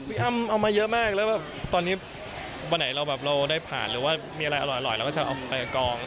อ้ำเอามาเยอะมากแล้วแบบตอนนี้วันไหนเราแบบเราได้ผ่านหรือว่ามีอะไรอร่อยเราก็จะเอาไปกอง